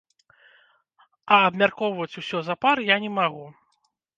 А абмяркоўваць усё запар я не магу.